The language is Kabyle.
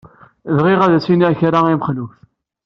Bɣiɣ ad as-iniɣ kra i Mexluf.